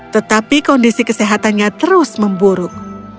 tetapi kondisi kesehatannya terus memburuk